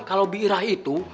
kalau bira itu